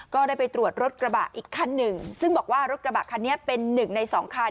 ก็ได้ไปตรวจรถกระบะอีกขั้นหนึ่งซึ่งบอกว่ารถกระบะคันนี้เป็น๑ใน๒